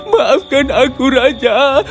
maafkan aku raja